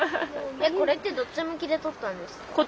これってどっち向きで撮ったんですか？